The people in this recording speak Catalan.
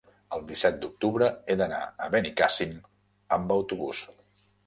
El disset d'octubre he d'anar a Benicàssim amb autobús.